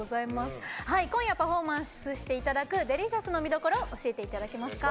今夜パフォーマンスしていただく「Ｄｅｌｉｃｉｏｕｓ」の見どころを教えていただけますか。